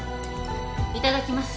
いただきます。